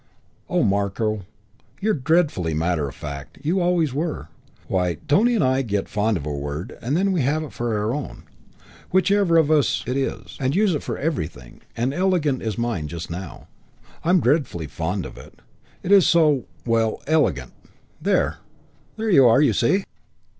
"Oh, Marko, you're dreadfully matter of fact. You always were. Why, Tony and I get fond of a word and then we have it for our own, whichever of us it is, and use it for everything. And elegant's mine just now. I'm dreadfully fond of it. It's so well, elegant: there you are, you see!"